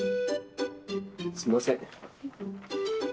すいません。